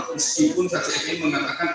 meskipun sacfi mengatakan